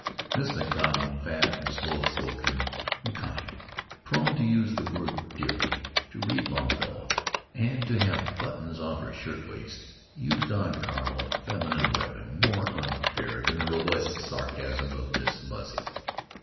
Miss McDonald, fat and slow spoken and kind, prone to use the word "dearie," to read Longfellow, and to have buttons off her shirt waists, used on Carl a feminine weapon more unfair than the robust sarcasm of Miss Muzzy.